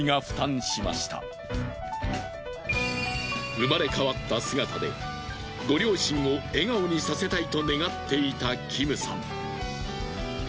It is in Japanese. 生まれ変わった姿でご両親を笑顔にさせたいと願っていたキムさん。